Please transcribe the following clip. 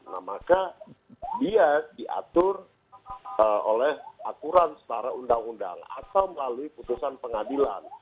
nah maka dia diatur oleh aturan setara undang undang atau melalui putusan pengadilan